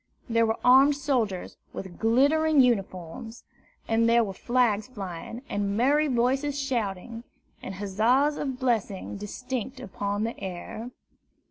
There were armed soldiers with glittering uniforms, and there were flags flying, and merry voices shouting, and huzzas and blessings distinct upon the air.